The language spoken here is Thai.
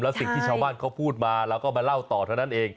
สิ่งที่ชาวบ้านเขาพูดมาเราก็มาเล่าต่อเท่านั้นเอง